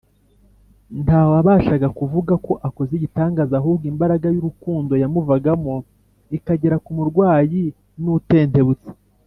Nta wabashaga kuvuga ko akoze igitangaza; ahubwo imbaraga y’urukundo — yamuvagamo ikagera ku murwayi n’utentebutse.